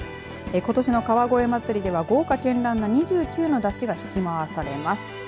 ことしの川越まつりでは豪華けんらんな２９の山車が引き回されます。